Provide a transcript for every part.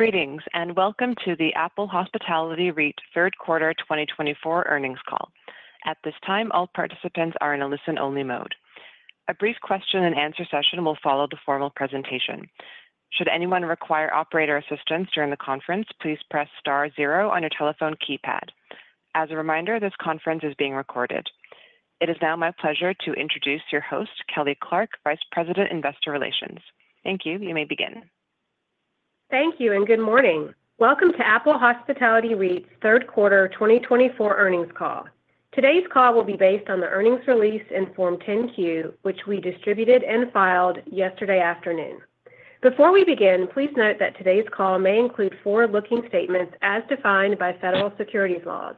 Greetings and welcome to the Apple Hospitality REIT third quarter 2024 earnings call. At this time, all participants are in a listen-only mode. A brief question-and-answer session will follow the formal presentation. Should anyone require operator assistance during the conference, please press star zero on your telephone keypad. As a reminder, this conference is being recorded. It is now my pleasure to introduce your host, Kelly Clarke, Vice President, Investor Relations. Thank you. You may begin. Thank you and good morning. Welcome to Apple Hospitality REIT's third quarter 2024 earnings call. Today's call will be based on the earnings release in Form 10-Q, which we distributed and filed yesterday afternoon. Before we begin, please note that today's call may include forward-looking statements as defined by federal securities laws.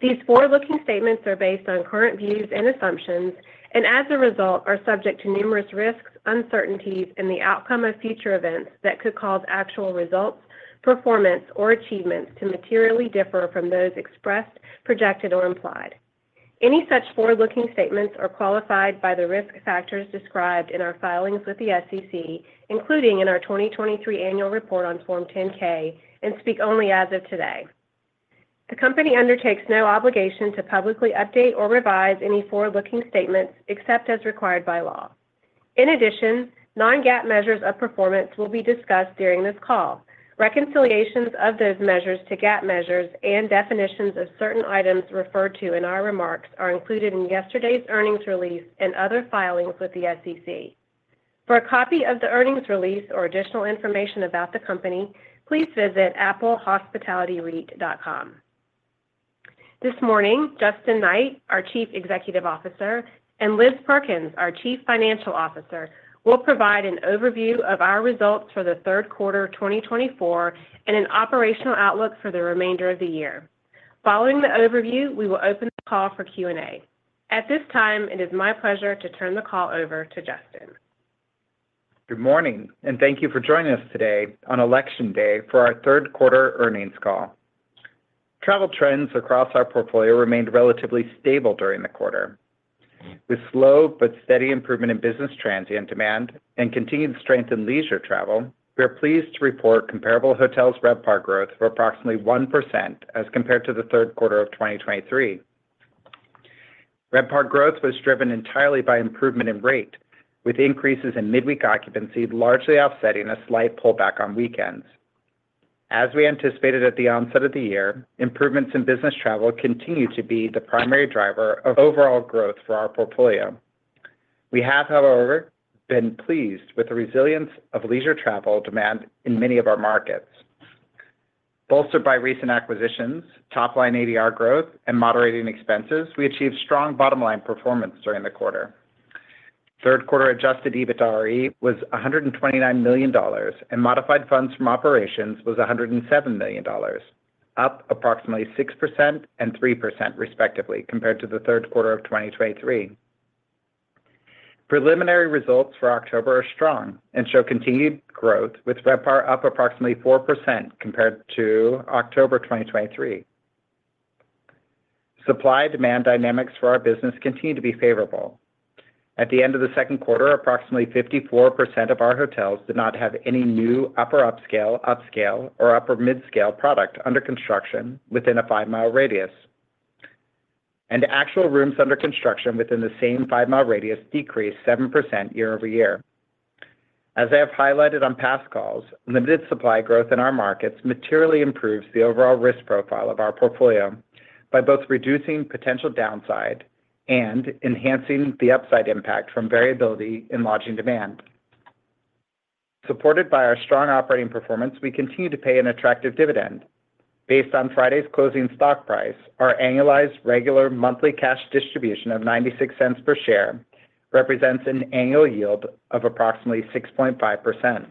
These forward-looking statements are based on current views and assumptions and, as a result, are subject to numerous risks, uncertainties, and the outcome of future events that could cause actual results, performance, or achievements to materially differ from those expressed, projected, or implied. Any such forward-looking statements are qualified by the risk factors described in our filings with the SEC, including in our 2023 annual report on Form 10-K, and speak only as of today. The company undertakes no obligation to publicly update or revise any forward-looking statements except as required by law. In addition, Non-GAAP measures of performance will be discussed during this call. Reconciliations of those measures to GAAP measures and definitions of certain items referred to in our remarks are included in yesterday's earnings release and other filings with the SEC. For a copy of the earnings release or additional information about the company, please visit applehospitalityreit.com. This morning, Justin Knight, our Chief Executive Officer, and Liz Perkins, our Chief Financial Officer, will provide an overview of our results for the third quarter 2024 and an operational outlook for the remainder of the year. Following the overview, we will open the call for Q&A. At this time, it is my pleasure to turn the call over to Justin. Good morning and thank you for joining us today on election day for our third quarter earnings call. Travel trends across our portfolio remained relatively stable during the quarter. With slow but steady improvement in business transient and demand, and continued strength in leisure travel, we are pleased to report Comparable Hotels' RevPAR growth of approximately 1% as compared to the third quarter of 2023. RevPAR growth was driven entirely by improvement in rate, with increases in midweek occupancy largely offsetting a slight pullback on weekends. As we anticipated at the onset of the year, improvements in business travel continue to be the primary driver of overall growth for our portfolio. We have, however, been pleased with the resilience of leisure travel demand in many of our markets. Bolstered by recent acquisitions, top-line ADR growth, and moderating expenses, we achieved strong bottom-line performance during the quarter. Third quarter adjusted EBITDAre was $129 million and modified funds from operations was $107 million, up approximately 6% and 3% respectively compared to the third quarter of 2023. Preliminary results for October are strong and show continued growth, with RevPAR up approximately 4% compared to October 2023. Supply-demand dynamics for our business continue to be favorable. At the end of the second quarter, approximately 54% of our hotels did not have any new upper upscale, upscale, or upper mid-scale product under construction within a five-mile radius, and actual rooms under construction within the same five-mile radius decreased 7% year-over-year. As I have highlighted on past calls, limited supply growth in our markets materially improves the overall risk profile of our portfolio by both reducing potential downside and enhancing the upside impact from variability in lodging demand. Supported by our strong operating performance, we continue to pay an attractive dividend. Based on Friday's closing stock price, our annualized regular monthly cash distribution of $0.96 per share represents an annual yield of approximately 6.5%.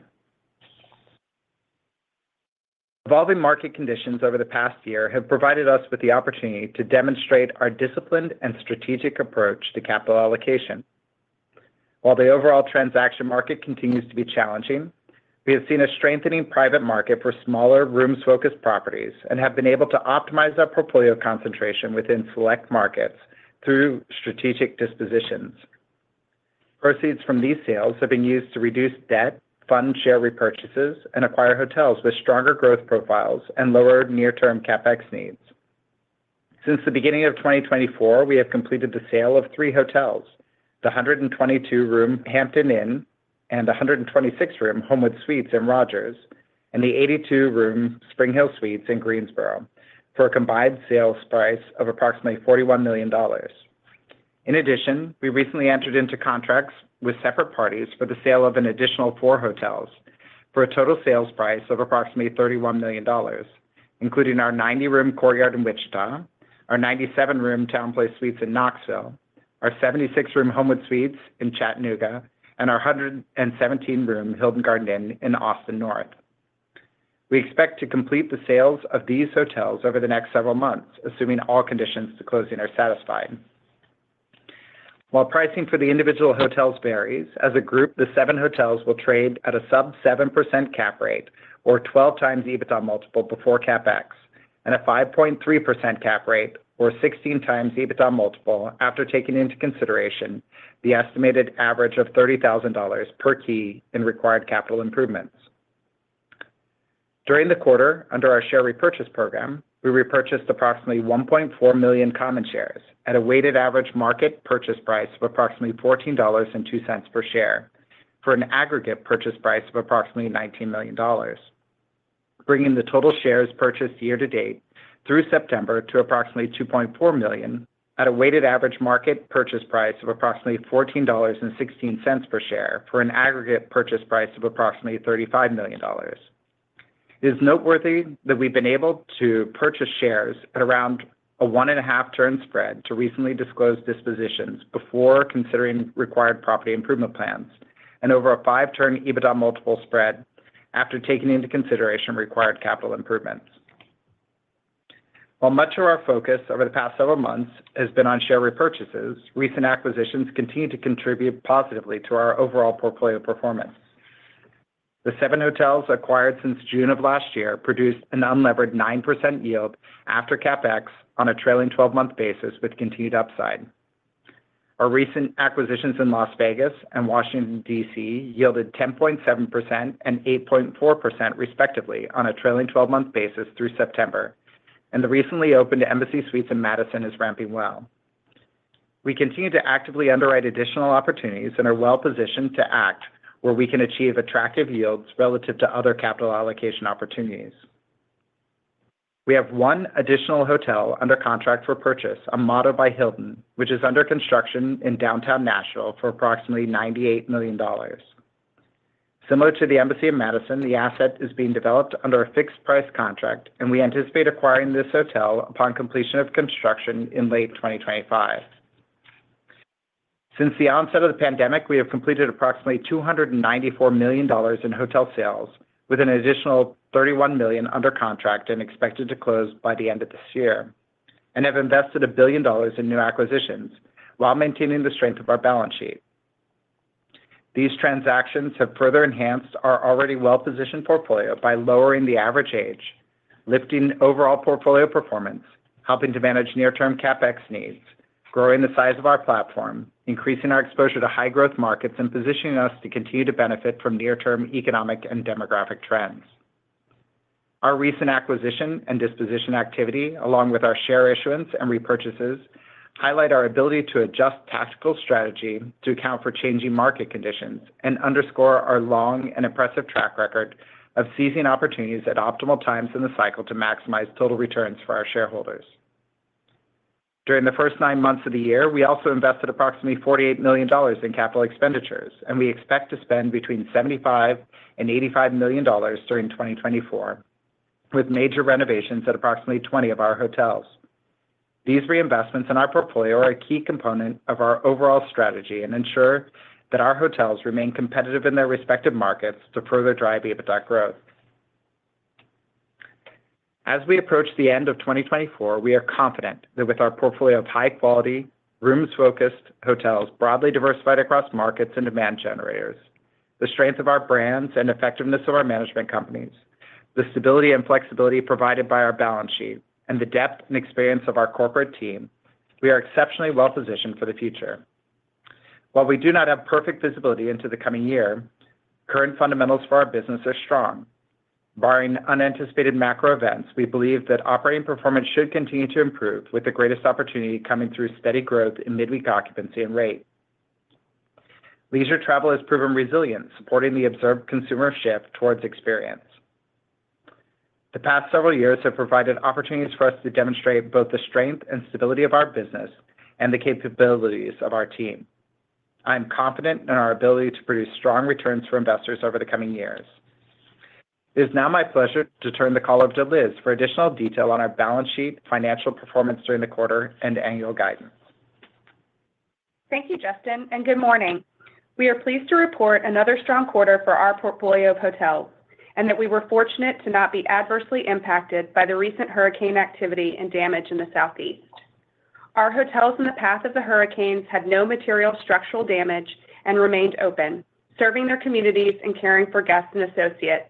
Evolving market conditions over the past year have provided us with the opportunity to demonstrate our disciplined and strategic approach to capital allocation. While the overall transaction market continues to be challenging, we have seen a strengthening private market for smaller rooms-focused properties and have been able to optimize our portfolio concentration within select markets through strategic dispositions. Proceeds from these sales have been used to reduce debt, fund share repurchases, and acquire hotels with stronger growth profiles and lower near-term CapEx needs. Since the beginning of 2024, we have completed the sale of three hotels: the 122-room Hampton Inn and the 126-room Homewood Suites in Rogers and the 82-room SpringHill Suites in Greensboro for a combined sales price of approximately $41 million. In addition, we recently entered into contracts with separate parties for the sale of an additional four hotels for a total sales price of approximately $31 million, including our 90-room Courtyard in Wichita, our 97-room TownePlace Suites in Knoxville, our 76-room Homewood Suites in Chattanooga, and our 117-room Hilton Garden Inn in Austin North. We expect to complete the sales of these hotels over the next several months, assuming all conditions to closing are satisfied. While pricing for the individual hotels varies, as a group, the seven hotels will trade at a sub-7% cap rate or 12x EBITDA multiple before CapEx and a 5.3% cap rate or 16x EBITDA multiple after taking into consideration the estimated average of $30,000 per key and required capital improvements. During the quarter, under our share repurchase program, we repurchased approximately 1.4 million common shares at a weighted average market purchase price of approximately $14.02 per share for an aggregate purchase price of approximately $19 million, bringing the total shares purchased year to date through September to approximately 2.4 million at a weighted average market purchase price of approximately $14.16 per share for an aggregate purchase price of approximately $35 million. It is noteworthy that we've been able to purchase shares at around a one-and-a-half-turn spread to recently disclosed dispositions before considering required property improvement plans and over a five-turn EBITDA multiple spread after taking into consideration required capital improvements. While much of our focus over the past several months has been on share repurchases, recent acquisitions continue to contribute positively to our overall portfolio performance. The seven hotels acquired since June of last year produced an unlevered 9% yield after CapEx on a trailing 12-month basis with continued upside. Our recent acquisitions in Las Vegas and Washington, D.C., yielded 10.7% and 8.4% respectively on a trailing 12-month basis through September, and the recently opened Embassy Suites in Madison is ramping well. We continue to actively underwrite additional opportunities and are well-positioned to act where we can achieve attractive yields relative to other capital allocation opportunities. We have one additional hotel under contract for purchase, a Motto by Hilton, which is under construction in Downtown Nashville for approximately $98 million. Similar to the Embassy in Madison, the asset is being developed under a fixed-price contract, and we anticipate acquiring this hotel upon completion of construction in late 2025. Since the onset of the pandemic, we have completed approximately $294 million in hotel sales, with an additional $31 million under contract and expected to close by the end of this year, and have invested $1 billion in new acquisitions while maintaining the strength of our balance sheet. These transactions have further enhanced our already well-positioned portfolio by lowering the average age, lifting overall portfolio performance, helping to manage near-term CapEx needs, growing the size of our platform, increasing our exposure to high-growth markets, and positioning us to continue to benefit from near-term economic and demographic trends. Our recent acquisition and disposition activity, along with our share issuance and repurchases, highlight our ability to adjust tactical strategy to account for changing market conditions and underscore our long and impressive track record of seizing opportunities at optimal times in the cycle to maximize total returns for our shareholders. During the first nine months of the year, we also invested approximately $48 million in capital expenditures, and we expect to spend between $75 and $85 million during 2024, with major renovations at approximately 20 of our hotels. These reinvestments in our portfolio are a key component of our overall strategy and ensure that our hotels remain competitive in their respective markets to further drive EBITDA growth. As we approach the end of 2024, we are confident that with our portfolio of high-quality, rooms-focused hotels broadly diversified across markets and demand generators, the strength of our brands and effectiveness of our management companies, the stability and flexibility provided by our balance sheet, and the depth and experience of our corporate team, we are exceptionally well-positioned for the future. While we do not have perfect visibility into the coming year, current fundamentals for our business are strong. Barring unanticipated macro events, we believe that operating performance should continue to improve, with the greatest opportunity coming through steady growth in midweek occupancy and rate. Leisure travel has proven resilient, supporting the observed consumer shift towards experience. The past several years have provided opportunities for us to demonstrate both the strength and stability of our business and the capabilities of our team. I am confident in our ability to produce strong returns for investors over the coming years. It is now my pleasure to turn the call over to Liz for additional detail on our balance sheet, financial performance during the quarter, and annual guidance. Thank you, Justin, and good morning. We are pleased to report another strong quarter for our portfolio of hotels and that we were fortunate to not be adversely impacted by the recent hurricane activity and damage in the Southeast. Our hotels in the path of the hurricanes had no material structural damage and remained open, serving their communities and caring for guests and associates.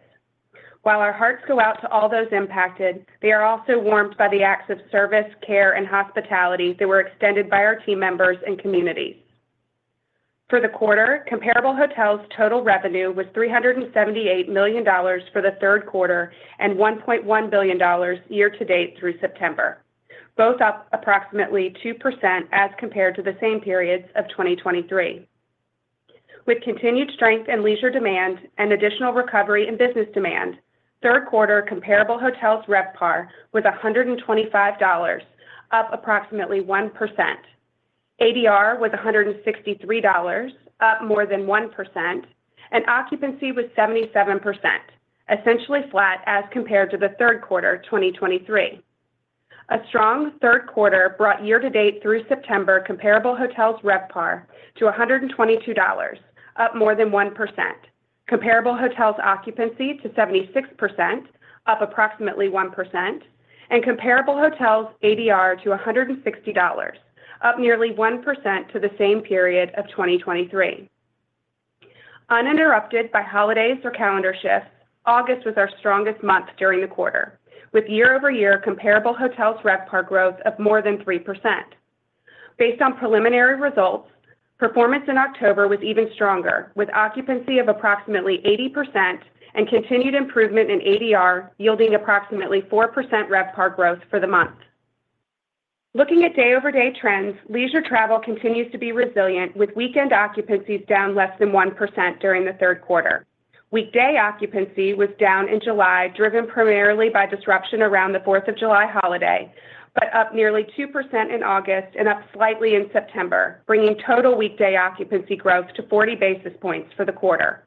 While our hearts go out to all those impacted, they are also warmed by the acts of service, care, and hospitality that were extended by our team members and communities. For the quarter, Comparable Hotels' total revenue was $378 million for the third quarter and $1.1 billion year to date through September, both up approximately 2% as compared to the same periods of 2023. With continued strength in leisure demand and additional recovery in business demand, third quarter Comparable Hotels' RevPAR was $125, up approximately 1%. ADR was $163, up more than 1%, and occupancy was 77%, essentially flat as compared to the third quarter 2023. A strong third quarter brought year to date through September Comparable Hotels' RevPAR to $122, up more than 1%. Comparable Hotels' occupancy to 76%, up approximately 1%, and Comparable Hotels' ADR to $160, up nearly 1% to the same period of 2023. Uninterrupted by holidays or calendar shifts, August was our strongest month during the quarter, with year-over-year Comparable Hotels' RevPAR growth of more than 3%. Based on preliminary results, performance in October was even stronger, with occupancy of approximately 80% and continued improvement in ADR yielding approximately 4% RevPAR growth for the month. Looking at day-over-day trends, leisure travel continues to be resilient, with weekend occupancies down less than 1% during the third quarter. Weekday occupancy was down in July, driven primarily by disruption around the 4th of July holiday, but up nearly 2% in August and up slightly in September, bringing total weekday occupancy growth to 40 basis points for the quarter.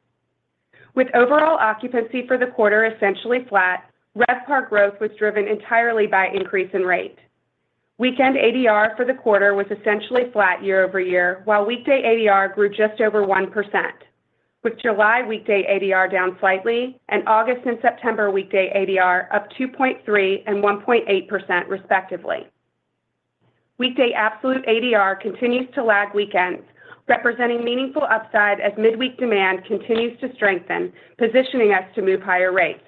With overall occupancy for the quarter essentially flat, RevPAR growth was driven entirely by increase in rate. Weekend ADR for the quarter was essentially flat year-over-year, while weekday ADR grew just over 1%, with July weekday ADR down slightly and August and September weekday ADR up 2.3% and 1.8% respectively. Weekday absolute ADR continues to lag weekends, representing meaningful upside as midweek demand continues to strengthen, positioning us to move higher rates.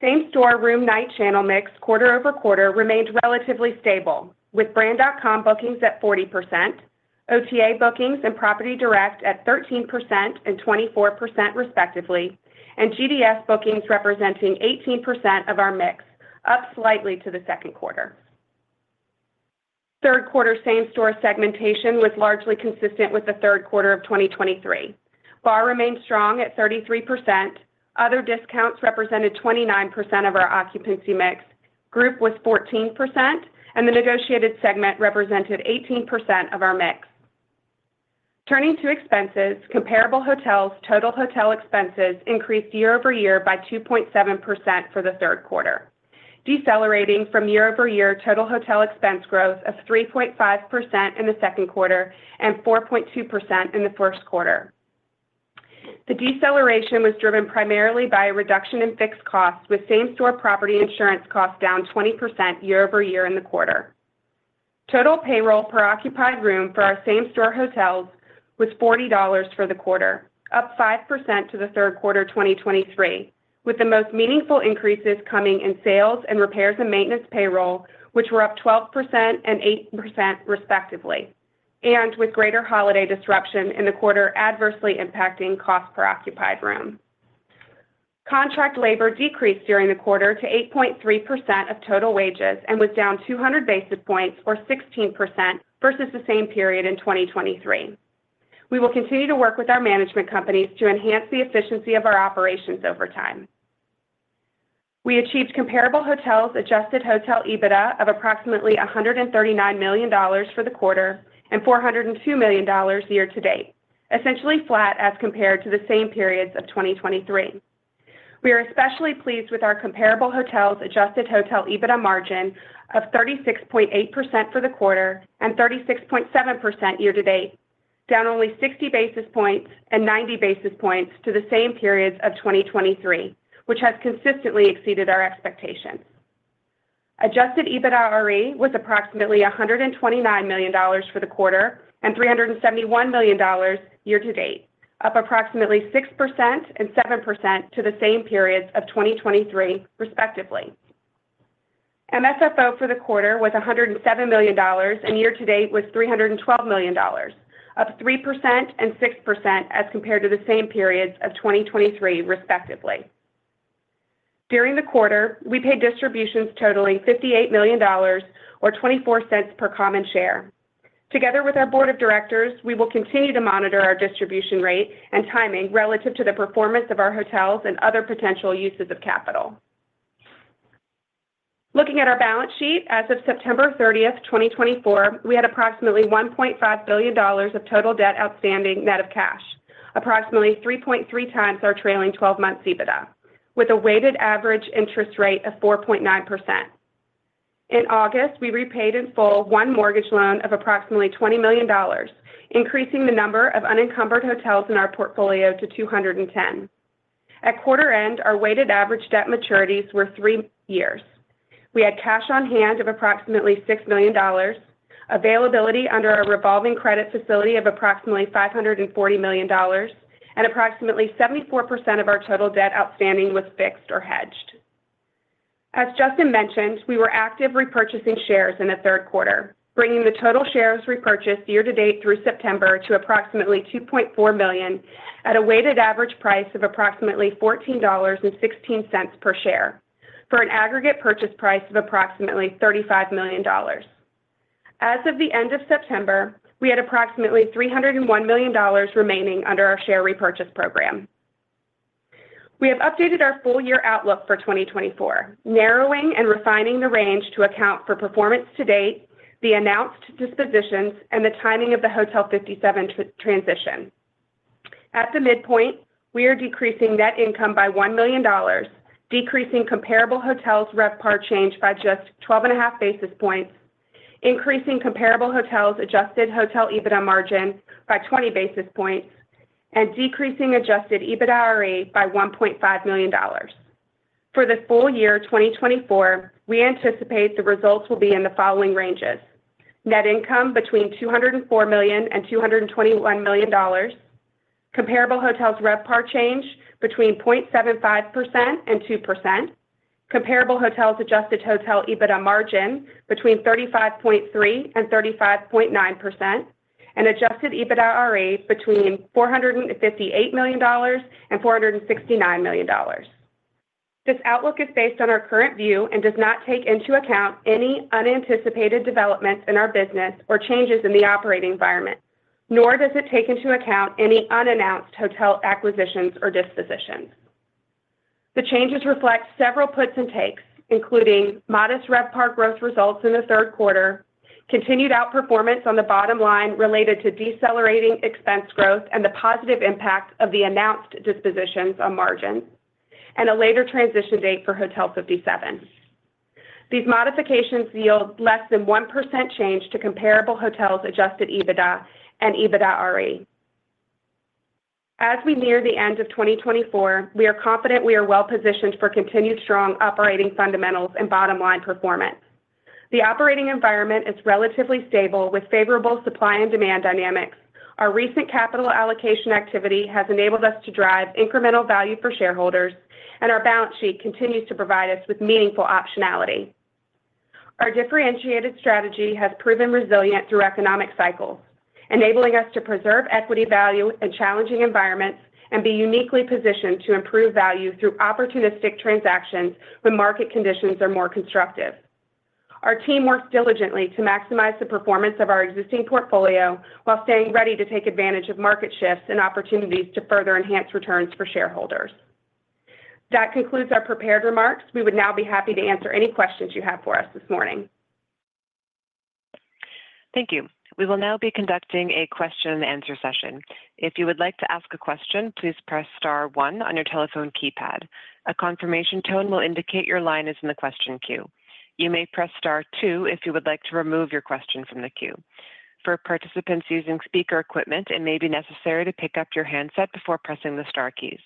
Same-store room-night channel mix quarter over quarter remained relatively stable, with brand.com bookings at 40%, OTA bookings and Property Direct at 13% and 24% respectively, and GDS bookings representing 18% of our mix, up slightly to the second quarter. Third quarter same-store segmentation was largely consistent with the third quarter of 2023. BAR remained strong at 33%. Other discounts represented 29% of our occupancy mix. Group was 14%, and the negotiated segment represented 18% of our mix. Turning to expenses, Comparable Hotels' total hotel expenses increased year-over-year by 2.7% for the third quarter, decelerating from year-over-year total hotel expense growth of 3.5% in the second quarter and 4.2% in the first quarter. The deceleration was driven primarily by a reduction in fixed costs, with same-store property insurance costs down 20% year-over-year in the quarter. Total payroll per occupied room for our same-store hotels was $40 for the quarter, up 5% to the third quarter 2023, with the most meaningful increases coming in sales and repairs and maintenance payroll, which were up 12% and 8% respectively, and with greater holiday disruption in the quarter adversely impacting cost per occupied room. Contract labor decreased during the quarter to 8.3% of total wages and was down 200 basis points or 16% versus the same period in 2023. We will continue to work with our management companies to enhance the efficiency of our operations over time. We achieved Comparable Hotels' adjusted hotel EBITDA of approximately $139 million for the quarter and $402 million year to date, essentially flat as compared to the same periods of 2023. We are especially pleased with our Comparable Hotels' adjusted hotel EBITDA margin of 36.8% for the quarter and 36.7% year-to-date, down only 60 basis points and 90 basis points from the same periods of 2023, which has consistently exceeded our expectations. Adjusted EBITDAre was approximately $129 million for the quarter and $371 million year to date, up approximately 6% and 7% from the same periods of 2023, respectively. MFFO for the quarter was $107 million, and year to date was $312 million, up 3% and 6% as compared to the same periods of 2023, respectively. During the quarter, we paid distributions totaling $58 million or $0.24 per common share. Together with our board of directors, we will continue to monitor our distribution rate and timing relative to the performance of our hotels and other potential uses of capital. Looking at our balance sheet as of September 30th, 2024, we had approximately $1.5 billion of total debt outstanding net of cash, approximately 3.3x our trailing 12-month EBITDA, with a weighted average interest rate of 4.9%. In August, we repaid in full one mortgage loan of approximately $20 million, increasing the number of unencumbered hotels in our portfolio to 210. At quarter end, our weighted average debt maturities were three years. We had cash on hand of approximately $6 million, availability under our revolving credit facility of approximately $540 million, and approximately 74% of our total debt outstanding was fixed or hedged. As Justin mentioned, we were active repurchasing shares in the third quarter, bringing the total shares repurchased year to date through September to approximately 2.4 million at a weighted average price of approximately $14.16 per share for an aggregate purchase price of approximately $35 million. As of the end of September, we had approximately $301 million remaining under our share repurchase program. We have updated our full-year outlook for 2024, narrowing and refining the range to account for performance to date, the announced dispositions, and the timing of the Hotel 57 transition. At the midpoint, we are decreasing net income by $1 million, decreasing Comparable Hotels' RevPAR change by just 12.5 basis points, increasing Comparable Hotels' adjusted hotel EBITDA margin by 20 basis points, and decreasing adjusted EBITDAre by $1.5 million. For the full year 2024, we anticipate the results will be in the following ranges: net income between $204 million and $221 million, Comparable Hotels' RevPAR change between 0.75% and 2%, Comparable Hotels' adjusted hotel EBITDA margin between 35.3% and 35.9%, and adjusted EBITDAre between $458 million and $469 million. This outlook is based on our current view and does not take into account any unanticipated developments in our business or changes in the operating environment, nor does it take into account any unannounced hotel acquisitions or dispositions. The changes reflect several puts and takes, including modest RevPAR growth results in the third quarter, continued outperformance on the bottom line related to decelerating expense growth and the positive impact of the announced dispositions on margin, and a later transition date for Hotel 57. These modifications yield less than 1% change to Comparable Hotels' adjusted EBITDA and EBITDAre. As we near the end of 2024, we are confident we are well-positioned for continued strong operating fundamentals and bottom line performance. The operating environment is relatively stable with favorable supply and demand dynamics. Our recent capital allocation activity has enabled us to drive incremental value for shareholders, and our balance sheet continues to provide us with meaningful optionality. Our differentiated strategy has proven resilient through economic cycles, enabling us to preserve equity value in challenging environments and be uniquely positioned to improve value through opportunistic transactions when market conditions are more constructive. Our team works diligently to maximize the performance of our existing portfolio while staying ready to take advantage of market shifts and opportunities to further enhance returns for shareholders. That concludes our prepared remarks. We would now be happy to answer any questions you have for us this morning. Thank you. We will now be conducting a question-and-answer session. If you would like to ask a question, please press star one on your telephone keypad. A confirmation tone will indicate your line is in the question queue. You may press star two if you would like to remove your question from the queue. For participants using speaker equipment, it may be necessary to pick up your handset before pressing the star keys.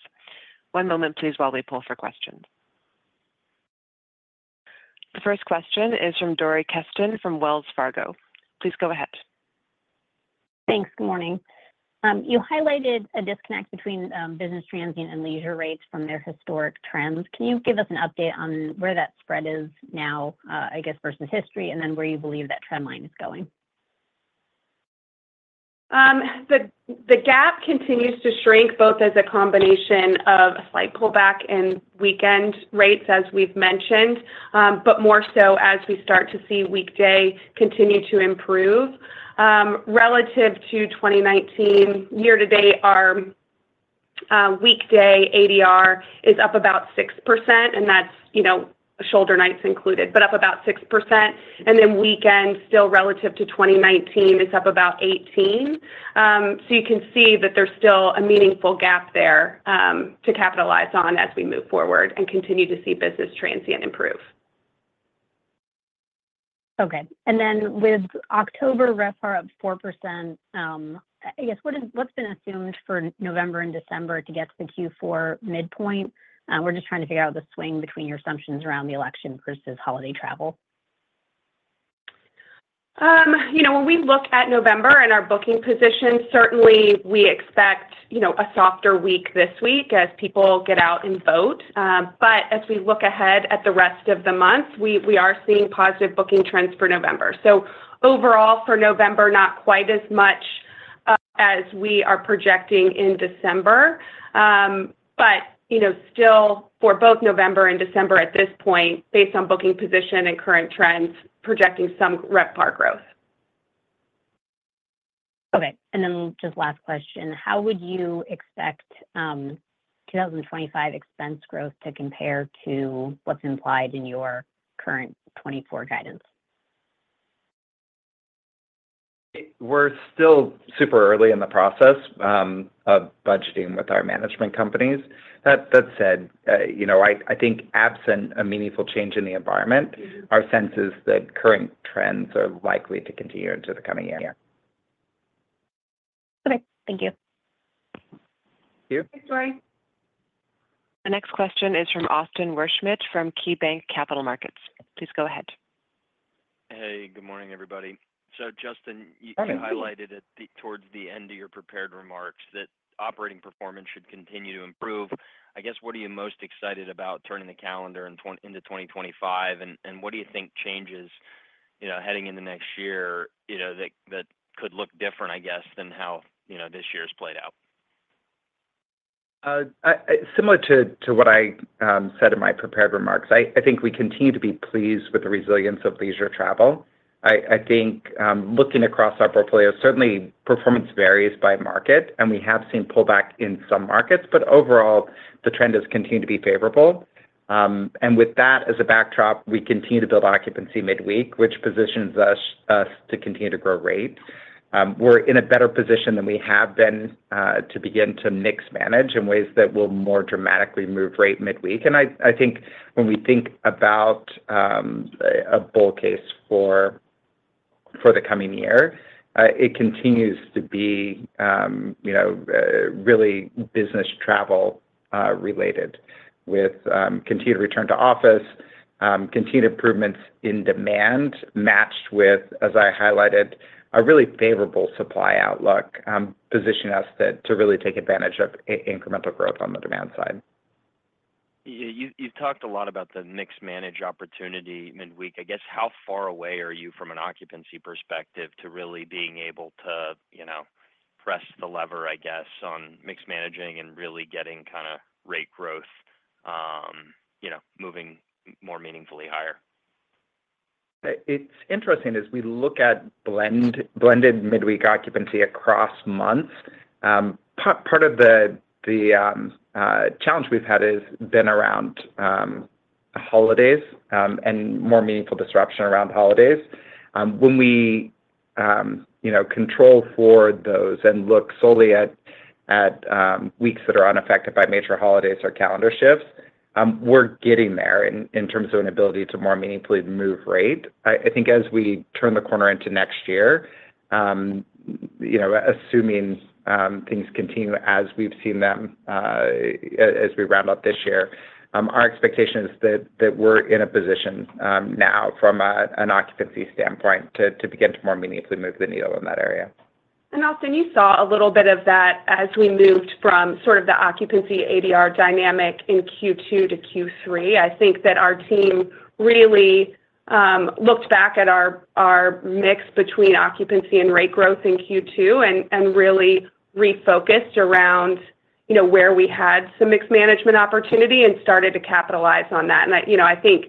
One moment, please, while we poll for questions. The first question is from Dori Keston from Wells Fargo. Please go ahead. Thanks. Good morning. You highlighted a disconnect between business transient and leisure rates from their historic trends. Can you give us an update on where that spread is now, I guess, versus history, and then where you believe that trend line is going? The gap continues to shrink, both as a combination of a slight pullback in weekend rates, as we've mentioned, but more so as we start to see weekday continue to improve. Relative to 2019, year-to-date, our weekday ADR is up about 6%, and that's shoulder nights included, but up about 6%, and then weekend, still relative to 2019, it's up about 18%. So you can see that there's still a meaningful gap there to capitalize on as we move forward and continue to see business transient improve. Okay. And then with October RevPAR up 4%, I guess, what's been assumed for November and December to get to the Q4 midpoint? We're just trying to figure out the swing between your assumptions around the election versus holiday travel. When we look at November and our booking position, certainly we expect a softer week this week as people get out and vote. But as we look ahead at the rest of the month, we are seeing positive booking trends for November. So overall, for November, not quite as much as we are projecting in December, but still for both November and December at this point, based on booking position and current trends, projecting some RevPAR growth. Okay, and then just last question, how would you expect 2025 expense growth to compare to what's implied in your current 2024 guidance? We're still super early in the process of budgeting with our management companies. That said, I think absent a meaningful change in the environment, our sense is that current trends are likely to continue into the coming year. Okay. Thank you. Thank you. Thanks, Dori. The next question is from Austin Wurschmidt from KeyBanc Capital Markets. Please go ahead. Hey, good morning, everybody. So Justin, you highlighted towards the end of your prepared remarks that operating performance should continue to improve. I guess, what are you most excited about turning the calendar into 2025, and what do you think changes heading into next year that could look different, I guess, than how this year has played out? Similar to what I said in my prepared remarks, I think we continue to be pleased with the resilience of leisure travel. I think looking across our portfolio, certainly performance varies by market, and we have seen pullback in some markets, but overall, the trend has continued to be favorable, and with that as a backdrop, we continue to build occupancy midweek, which positions us to continue to grow rates. We're in a better position than we have been to begin to mix manage in ways that will more dramatically move rate midweek, and I think when we think about a bull case for the coming year, it continues to be really business travel-related with continued return to office, continued improvements in demand, matched with, as I highlighted, a really favorable supply outlook positioning us to really take advantage of incremental growth on the demand side. You've talked a lot about the mix management opportunity midweek. I guess, how far away are you from an occupancy perspective to really being able to press the lever, I guess, on mix managing and really getting kind of rate growth moving more meaningfully higher? It's interesting as we look at blended midweek occupancy across months. Part of the challenge we've had has been around holidays and more meaningful disruption around holidays. When we control for those and look solely at weeks that are unaffected by major holidays or calendar shifts, we're getting there in terms of an ability to more meaningfully move rate. I think as we turn the corner into next year, assuming things continue as we've seen them as we round up this year, our expectation is that we're in a position now from an occupancy standpoint to begin to more meaningfully move the needle in that area. And Austin, you saw a little bit of that as we moved from sort of the occupancy ADR dynamic in Q2-Q3. I think that our team really looked back at our mix between occupancy and rate growth in Q2 and really refocused around where we had some mixed management opportunity and started to capitalize on that. And I think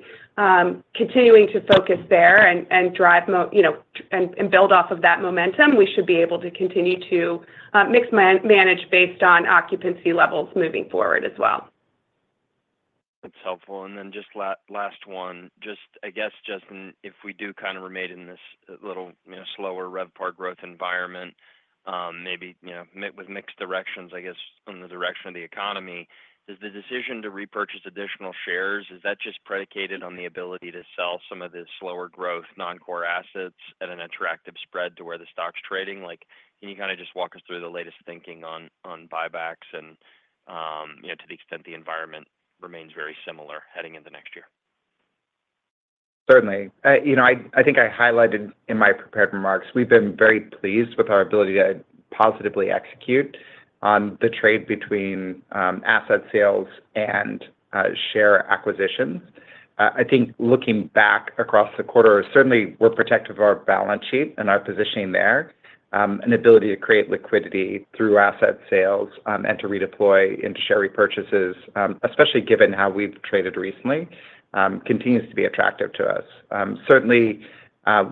continuing to focus there and drive and build off of that momentum, we should be able to continue to mix manage based on occupancy levels moving forward as well. That's helpful. And then just last one, just I guess, Justin, if we do kind of remain in this little slower RevPAR growth environment, maybe with mixed directions, I guess, on the direction of the economy, is the decision to repurchase additional shares, is that just predicated on the ability to sell some of the slower growth non-core assets at an attractive spread to where the stock's trading? Can you kind of just walk us through the latest thinking on buybacks and to the extent the environment remains very similar heading into next year? Certainly. I think I highlighted in my prepared remarks, we've been very pleased with our ability to positively execute on the trade between asset sales and share acquisitions. I think looking back across the quarter, certainly we're protective of our balance sheet and our positioning there. An ability to create liquidity through asset sales and to redeploy into share repurchases, especially given how we've traded recently, continues to be attractive to us. Certainly,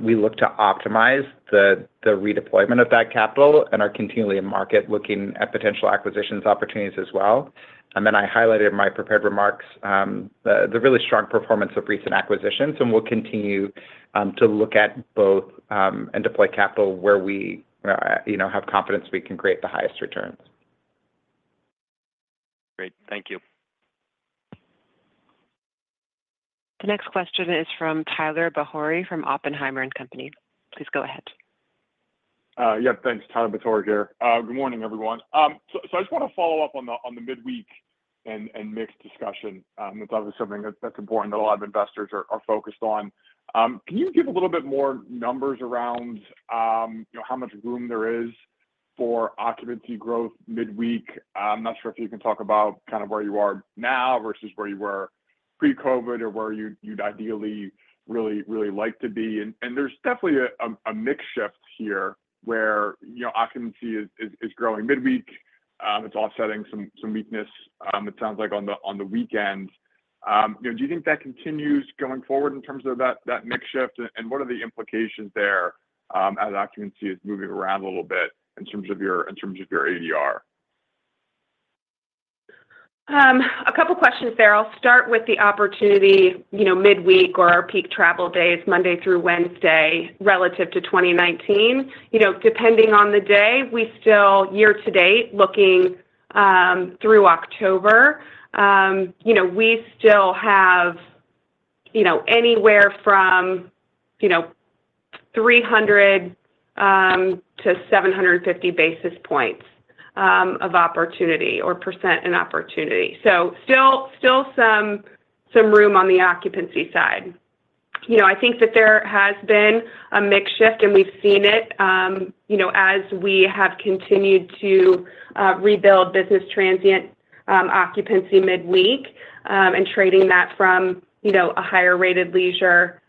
we look to optimize the redeployment of that capital and are continually in market looking at potential acquisitions opportunities as well, and then I highlighted in my prepared remarks the really strong performance of recent acquisitions, and we'll continue to look at both and deploy capital where we have confidence we can create the highest returns. Great. Thank you. The next question is from Tyler Batory from Oppenheimer & Co. Please go ahead. Yep. Thanks. Tyler Batory here. Good morning, everyone. So I just want to follow up on the midweek and mixed discussion. That's obviously something that's important that a lot of investors are focused on. Can you give a little bit more numbers around how much room there is for occupancy growth midweek? I'm not sure if you can talk about kind of where you are now versus where you were pre-COVID or where you'd ideally really, really like to be. And there's definitely a mixed shift here where occupancy is growing midweek. It's offsetting some weakness, it sounds like, on the weekend. Do you think that continues going forward in terms of that mixed shift? And what are the implications there as occupancy is moving around a little bit in terms of your ADR? A couple of questions there. I'll start with the opportunity midweek or our peak travel days, Monday through Wednesday, relative to 2019. Depending on the day, we still, year to date, looking through October, we still have anywhere from 300-750 basis points of opportunity or percent in opportunity. So still some room on the occupancy side. I think that there has been a mixed shift, and we've seen it as we have continued to rebuild business transient occupancy midweek and trading that from a higher-rated leisure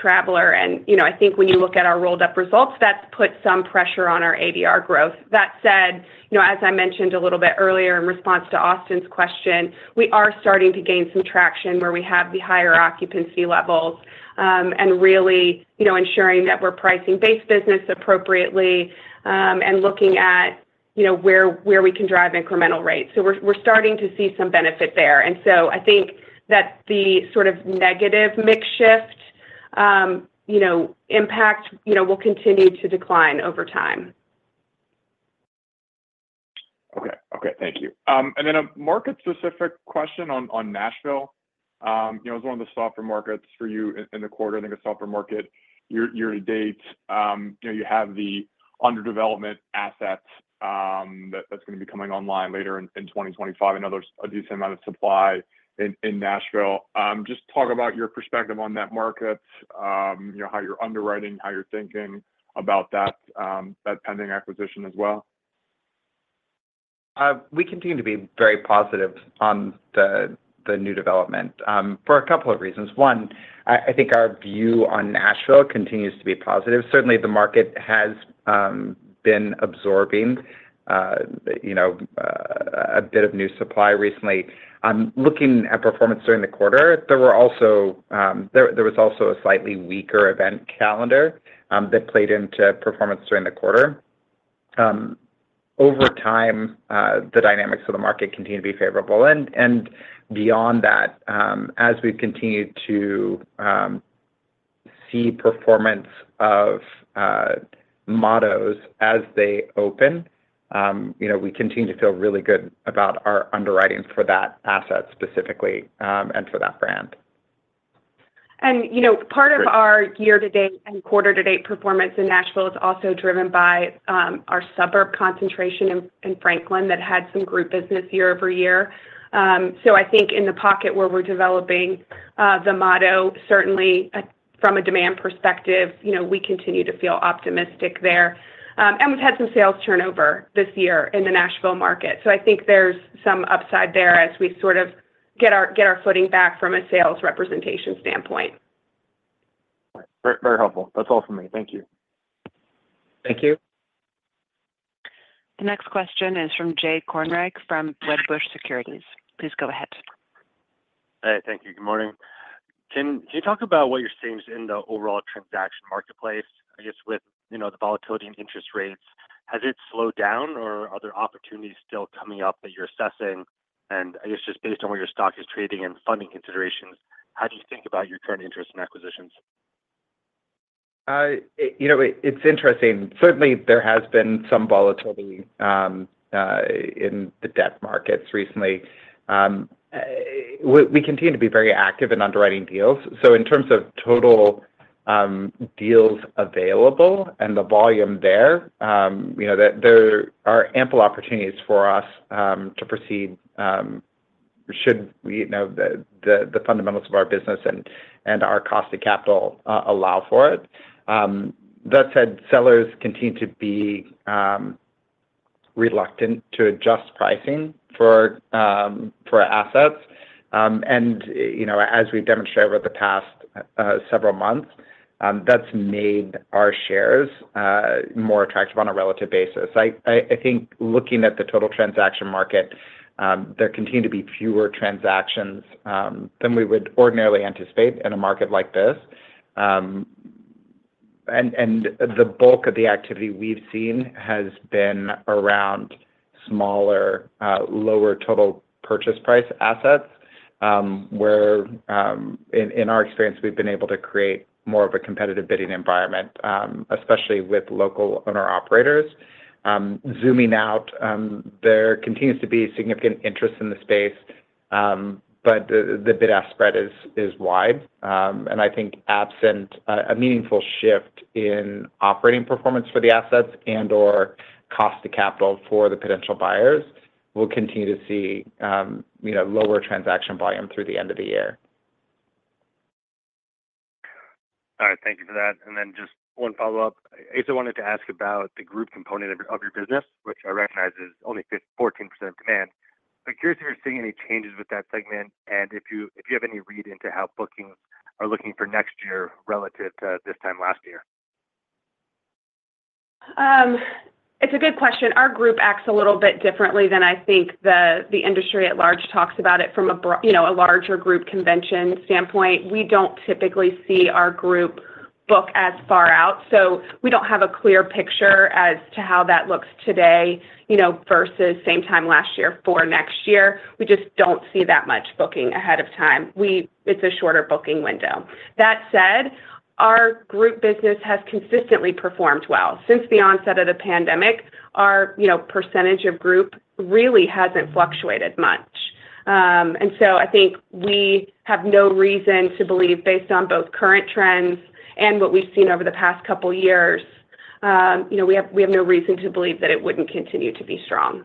traveler. And I think when you look at our rolled-up results, that's put some pressure on our ADR growth. That said, as I mentioned a little bit earlier in response to Austin's question, we are starting to gain some traction where we have the higher occupancy levels and really ensuring that we're pricing base business appropriately and looking at where we can drive incremental rates. So we're starting to see some benefit there. And so I think that the sort of negative mixed shift impact will continue to decline over time. Okay. Okay. Thank you. And then a market-specific question on Nashville. It was one of the softer markets for you in the quarter. I think a softer market year to date, you have the underdevelopment assets that's going to be coming online later in 2025. I know there's a decent amount of supply in Nashville. Just talk about your perspective on that market, how you're underwriting, how you're thinking about that pending acquisition as well. We continue to be very positive on the new development for a couple of reasons. One, I think our view on Nashville continues to be positive. Certainly, the market has been absorbing a bit of new supply recently. Looking at performance during the quarter, there was also a slightly weaker event calendar that played into performance during the quarter. Over time, the dynamics of the market continue to be favorable. And beyond that, as we've continued to see performance of Motto's as they open, we continue to feel really good about our underwriting for that asset specifically and for that brand. And part of our year-to-date and quarter-to-date performance in Nashville is also driven by our suburb concentration in Franklin that had some group business year-over-year. So I think in the pocket where we're developing the Motto, certainly from a demand perspective, we continue to feel optimistic there. And we've had some sales turnover this year in the Nashville market. So I think there's some upside there as we sort of get our footing back from a sales representation standpoint. Very helpful. That's all from me. Thank you. Thank you. The next question is from Jay Kornreich from Wedbush Securities. Please go ahead. Hey. Thank you. Good morning. Can you talk about what you're seeing in the overall transaction marketplace, I guess, with the volatility in interest rates? Has it slowed down, or are there opportunities still coming up that you're assessing? And I guess just based on what your stock is trading and funding considerations, how do you think about your current interest in acquisitions? It's interesting. Certainly, there has been some volatility in the debt markets recently. We continue to be very active in underwriting deals. So in terms of total deals available and the volume there, there are ample opportunities for us to proceed should the fundamentals of our business and our cost of capital allow for it. That said, sellers continue to be reluctant to adjust pricing for assets. And as we've demonstrated over the past several months, that's made our shares more attractive on a relative basis. I think looking at the total transaction market, there continue to be fewer transactions than we would ordinarily anticipate in a market like this. And the bulk of the activity we've seen has been around smaller, lower total purchase price assets where, in our experience, we've been able to create more of a competitive bidding environment, especially with local owner-operators. Zooming out, there continues to be significant interest in the space, but the bid-ask spread is wide. And I think absent a meaningful shift in operating performance for the assets and/or cost of capital for the potential buyers, we'll continue to see lower transaction volume through the end of the year. All right. Thank you for that. And then just one follow-up. I guess I wanted to ask about the group component of your business, which I recognize is only 14% of demand. I'm curious if you're seeing any changes with that segment and if you have any read into how bookings are looking for next year relative to this time last year. It's a good question. Our group acts a little bit differently than I think the industry at large talks about it from a larger group convention standpoint. We don't typically see our group book as far out. So we don't have a clear picture as to how that looks today versus same time last year for next year. We just don't see that much booking ahead of time. It's a shorter booking window. That said, our group business has consistently performed well. Since the onset of the pandemic, our percentage of group really hasn't fluctuated much. And so I think we have no reason to believe, based on both current trends and what we've seen over the past couple of years, we have no reason to believe that it wouldn't continue to be strong,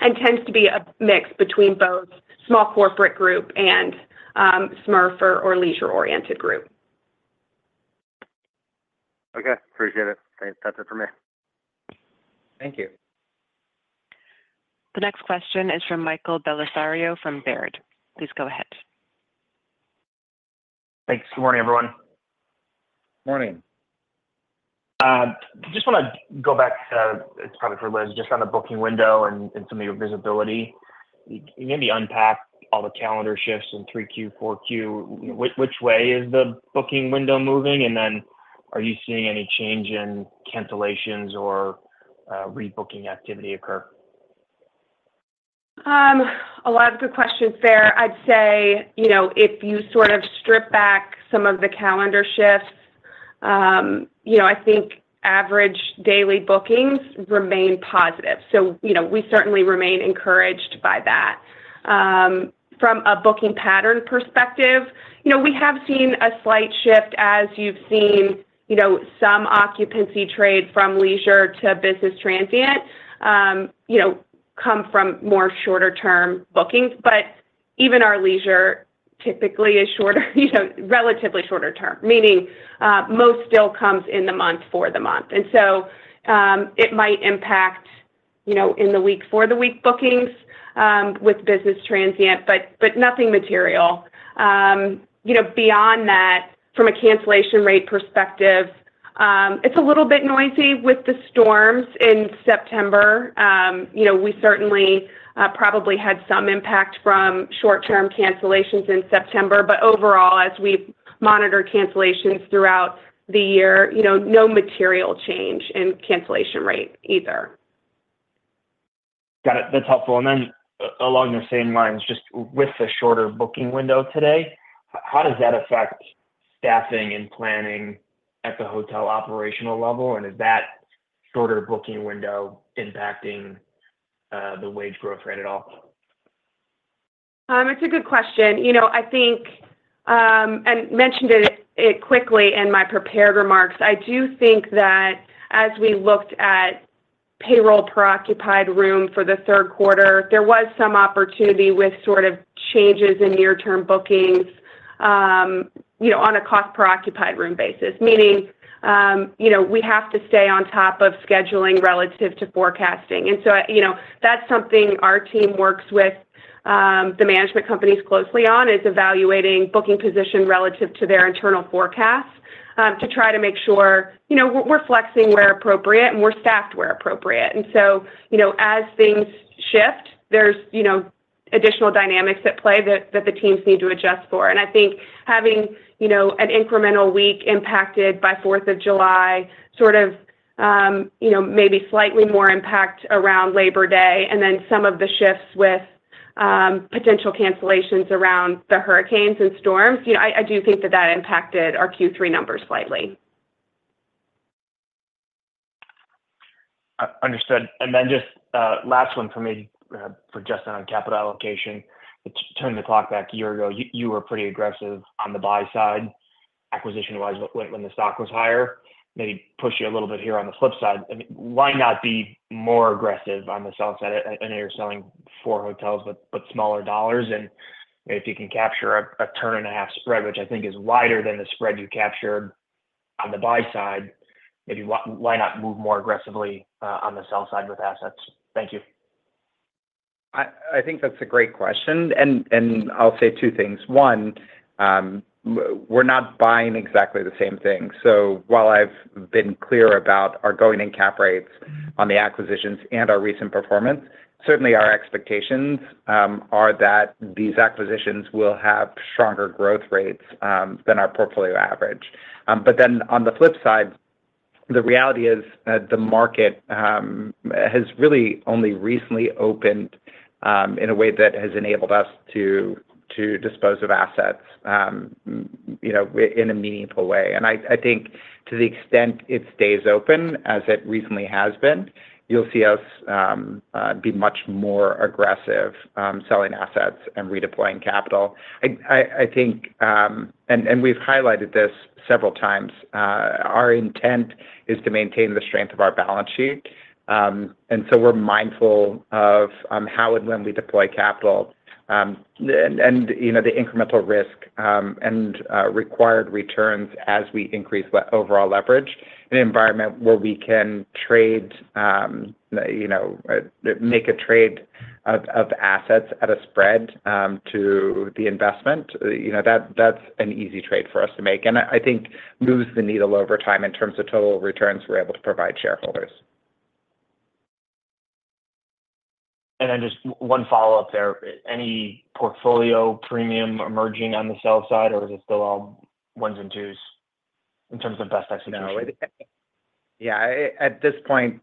and tends to be a mix between both small corporate group and SMERF or leisure-oriented group. Okay. Appreciate it. That's it for me. Thank you. The next question is from Michael Bellisario from Baird. Please go ahead. Thanks. Good morning, everyone. Morning. Just want to go back to it. It's probably for Liz, just on the booking window and some of your visibility. You maybe unpacked all the calendar shifts in 3Q, 4Q. Which way is the booking window moving? And then are you seeing any change in cancellations or rebooking activity occur? A lot of good questions there. I'd say if you sort of strip back some of the calendar shifts, I think average daily bookings remain positive. So we certainly remain encouraged by that. From a booking pattern perspective, we have seen a slight shift as you've seen some occupancy trade from leisure to business transient come from more shorter-term bookings. But even our leisure typically is relatively shorter-term, meaning most still comes in the month for the month. And so it might impact in the week-for-the-week bookings with business transient, but nothing material. Beyond that, from a cancellation rate perspective, it's a little bit noisy with the storms in September. We certainly probably had some impact from short-term cancellations in September. But overall, as we monitor cancellations throughout the year, no material change in cancellation rate either. Got it. That's helpful. And then along the same lines, just with the shorter booking window today, how does that affect staffing and planning at the hotel operational level? And is that shorter booking window impacting the wage growth rate at all? It's a good question. I think, and mentioned it quickly in my prepared remarks, I do think that as we looked at payroll per occupied room for the third quarter, there was some opportunity with sort of changes in near-term bookings on a cost per occupied room basis, meaning we have to stay on top of scheduling relative to forecasting. And so that's something our team works with the management companies closely on, is evaluating booking position relative to their internal forecasts to try to make sure we're flexing where appropriate and we're staffed where appropriate. And so as things shift, there's additional dynamics at play that the teams need to adjust for. I think having an incremental week impacted by 4th of July, sort of maybe slightly more impact around Labor Day, and then some of the shifts with potential cancellations around the hurricanes and storms. I do think that that impacted our Q3 numbers slightly. Understood. And then just last one for me, for Justin on capital allocation. Turning the clock back a year ago, you were pretty aggressive on the buy side, acquisition-wise, when the stock was higher. Maybe push you a little bit here on the flip side. Why not be more aggressive on the sell side? I know you're selling four hotels but smaller dollars. And if you can capture a turn-and-a-half spread, which I think is wider than the spread you captured on the buy side, maybe why not move more aggressively on the sell side with assets? Thank you. I think that's a great question, and I'll say two things. One, we're not buying exactly the same thing, so while I've been clear about our going-in cap rates on the acquisitions and our recent performance, certainly our expectations are that these acquisitions will have stronger growth rates than our portfolio average, but then on the flip side, the reality is the market has really only recently opened in a way that has enabled us to dispose of assets in a meaningful way, and I think to the extent it stays open as it recently has been, you'll see us be much more aggressive selling assets and redeploying capital. I think, and we've highlighted this several times, our intent is to maintain the strength of our balance sheet. And so we're mindful of how and when we deploy capital and the incremental risk and required returns as we increase overall leverage in an environment where we can trade, make a trade of assets at a spread to the investment. That's an easy trade for us to make. And I think moves the needle over time in terms of total returns we're able to provide shareholders. And then just one follow-up there. Any portfolio premium emerging on the sell side, or is it still all ones and twos in terms of best execution? Yeah. At this point,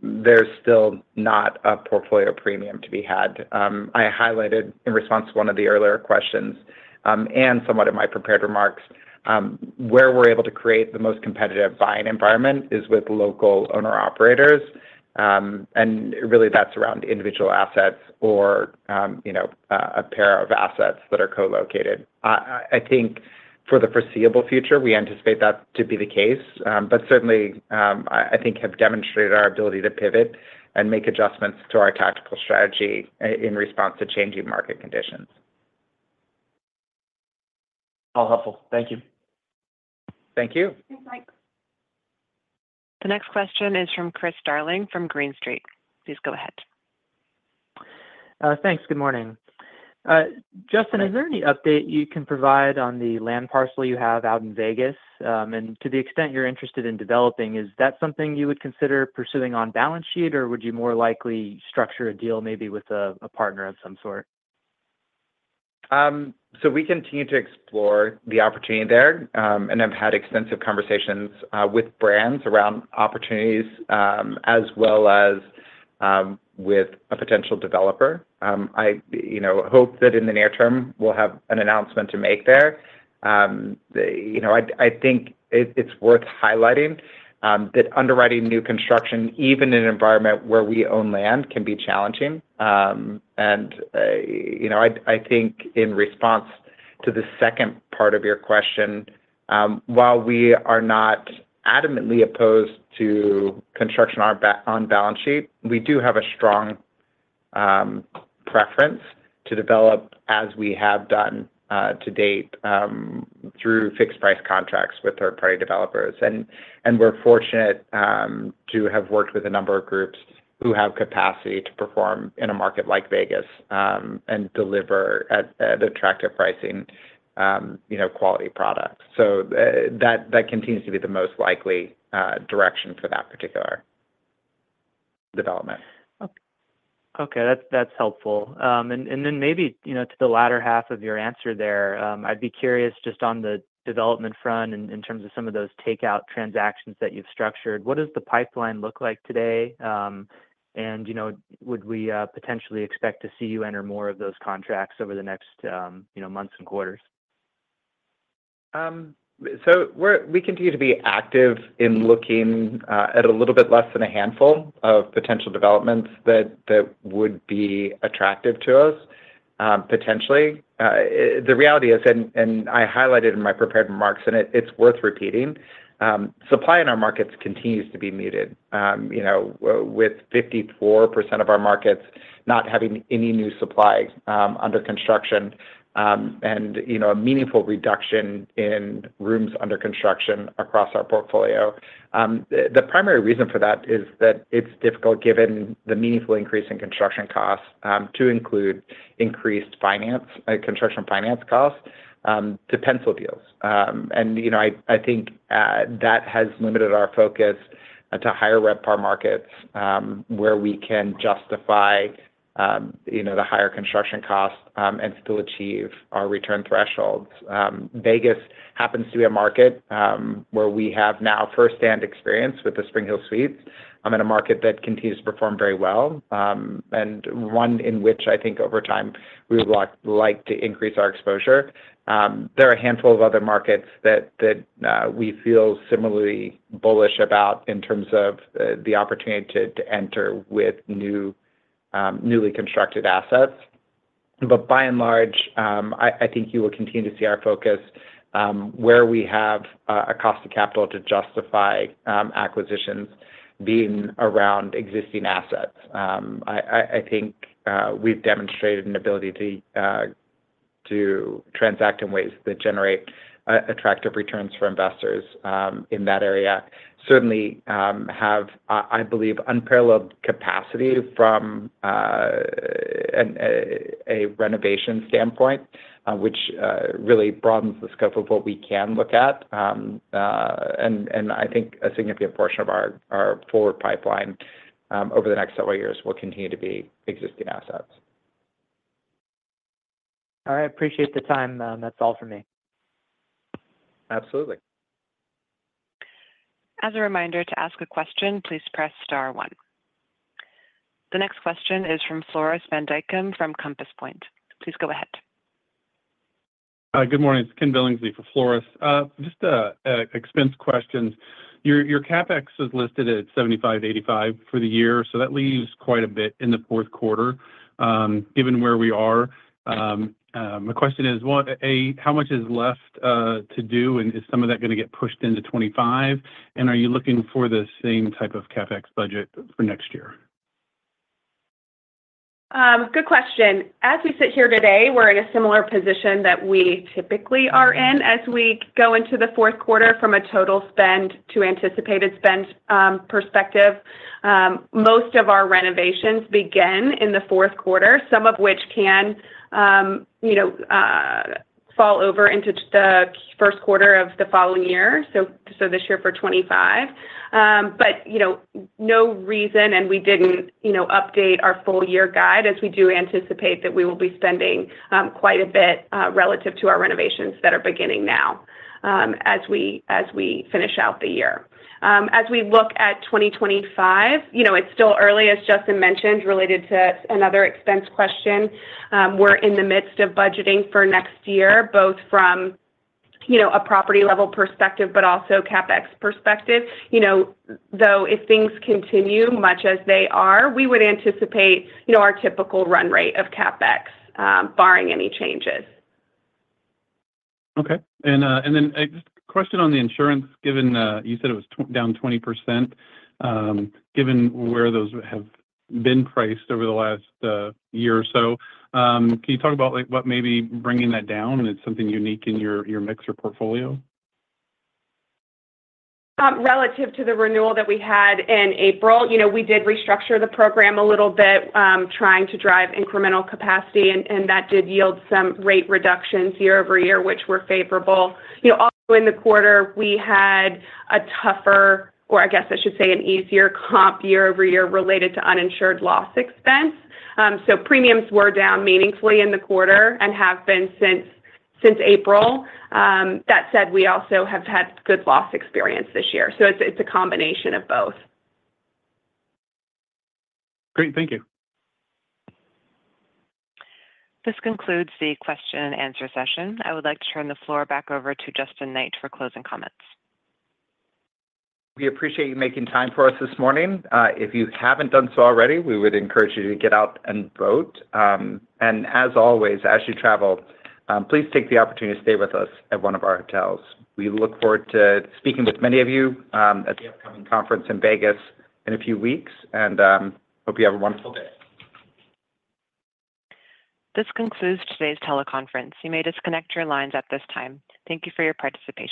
there's still not a portfolio premium to be had. I highlighted in response to one of the earlier questions and somewhat in my prepared remarks, where we're able to create the most competitive buying environment is with local owner-operators. And really, that's around individual assets or a pair of assets that are co-located. I think for the foreseeable future, we anticipate that to be the case. But certainly, I think have demonstrated our ability to pivot and make adjustments to our tactical strategy in response to changing market conditions. All helpful. Thank you. Thank you. Thanks, Mike. The next question is from Chris Darling from Green Street. Please go ahead. Thanks. Good morning. Justin, is there any update you can provide on the land parcel you have out in Vegas? And to the extent you're interested in developing, is that something you would consider pursuing on balance sheet, or would you more likely structure a deal maybe with a partner of some sort? So we continue to explore the opportunity there. And I've had extensive conversations with brands around opportunities as well as with a potential developer. I hope that in the near term, we'll have an announcement to make there. I think it's worth highlighting that underwriting new construction, even in an environment where we own land, can be challenging. And I think in response to the second part of your question, while we are not adamantly opposed to construction on balance sheet, we do have a strong preference to develop as we have done to date through fixed-price contracts with third-party developers. And we're fortunate to have worked with a number of groups who have capacity to perform in a market like Vegas and deliver at attractive pricing quality products. So that continues to be the most likely direction for that particular development. Okay. That's helpful. And then maybe to the latter half of your answer there, I'd be curious just on the development front in terms of some of those takeout transactions that you've structured. What does the pipeline look like today? And would we potentially expect to see you enter more of those contracts over the next months and quarters? We continue to be active in looking at a little bit less than a handful of potential developments that would be attractive to us potentially. The reality is, and I highlighted in my prepared remarks, and it's worth repeating, supply in our markets continues to be muted with 54% of our markets not having any new supply under construction and a meaningful reduction in rooms under construction across our portfolio. The primary reason for that is that it's difficult given the meaningful increase in construction costs to include increased construction finance costs to pencil deals. And I think that has limited our focus to higher RevPAR markets where we can justify the higher construction costs and still achieve our return thresholds. Vegas happens to be a market where we have now firsthand experience with the SpringHill Suites. I'm in a market that continues to perform very well and one in which I think over time we would like to increase our exposure. There are a handful of other markets that we feel similarly bullish about in terms of the opportunity to enter with newly constructed assets, but by and large, I think you will continue to see our focus where we have a cost of capital to justify acquisitions being around existing assets. I think we've demonstrated an ability to transact in ways that generate attractive returns for investors in that area. Certainly have, I believe, unparalleled capacity from a renovation standpoint, which really broadens the scope of what we can look at, and I think a significant portion of our forward pipeline over the next several years will continue to be existing assets. All right. Appreciate the time. That's all for me. Absolutely. As a reminder to ask a question, please press star one. The next question is from Floris van Dijkum from Compass Point. Please go ahead. Good morning. It's Ken Billingsley for Floris. Just an expense question. Your CapEx is listed at $7,585 for the year. So that leaves quite a bit in the fourth quarter given where we are. My question is, how much is left to do? And is some of that going to get pushed into 2025? And are you looking for the same type of CapEx budget for next year? Good question. As we sit here today, we're in a similar position that we typically are in as we go into the fourth quarter from a total spend to anticipated spend perspective. Most of our renovations begin in the fourth quarter, some of which can fall over into the first quarter of the following year, so this year for 2025. But no reason, and we didn't update our full year guide as we do anticipate that we will be spending quite a bit relative to our renovations that are beginning now as we finish out the year. As we look at 2025, it's still early, as Justin mentioned, related to another expense question. We're in the midst of budgeting for next year, both from a property-level perspective but also CapEx perspective. Though if things continue much as they are, we would anticipate our typical run rate of CapEx, barring any changes. Okay. And then a question on the insurance, given you said it was down 20%, given where those have been priced over the last year or so. Can you talk about what may be bringing that down? And it's something unique in your mix or portfolio? Relative to the renewal that we had in April, we did restructure the program a little bit trying to drive incremental capacity. And that did yield some rate reductions year-over-year, which were favorable. Also in the quarter, we had a tougher, or I guess I should say an easier comp year-over-year related to uninsured loss expense. So premiums were down meaningfully in the quarter and have been since April. That said, we also have had good loss experience this year. So it's a combination of both. Great. Thank you. This concludes the question and answer session. I would like to turn the floor back over to Justin Knight for closing comments. We appreciate you making time for us this morning. If you haven't done so already, we would encourage you to get out and vote, and as always, as you travel, please take the opportunity to stay with us at one of our hotels. We look forward to speaking with many of you at the upcoming conference in Vegas in a few weeks, and hope you have a wonderful day. This concludes today's teleconference. You may disconnect your lines at this time. Thank you for your participation.